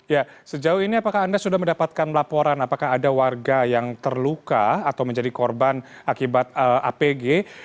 ya sejauh ini apakah anda sudah mendapatkan laporan apakah ada warga yang terluka atau menjadi korban akibat apg